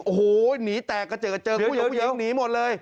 โอ้โหหนีแตกกระเจิดเจอผู้หญิงหนีหมดเลย